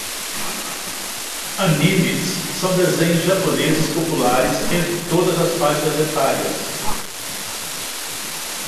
Animes são desenhos japoneses populares entre todas as faixas etárias